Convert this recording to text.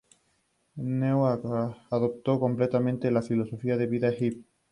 Pero sobre todo fue conocido por sus fotomontajes.